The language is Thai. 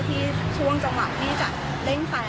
สองทีว่าเอ่อรถเราไม่สามารถเบ็ดทันนะ